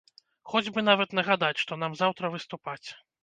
Хоць бы нават нагадаць, што нам заўтра выступаць.